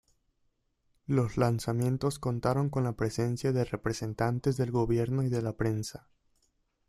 Los lanzamientos contaron con la presencia de representantes del gobierno y de la prensa.